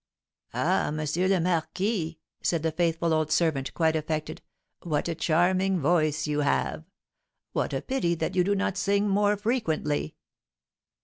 "Ah, M. le Marquis," said the faithful old servant, quite affected, "what a charming voice you have! What a pity that you do not sing more frequently!"